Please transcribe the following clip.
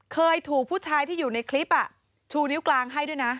เคยถูกผู้ชายที่อยู่ในคลิปชูนิ้วกลางให้ด้วยนะ